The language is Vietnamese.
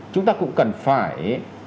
chúng ta cũng cần phải